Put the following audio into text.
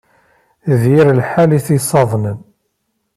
D yir lḥal ay t-yessaḍnen.